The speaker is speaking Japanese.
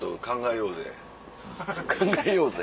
考えようぜ？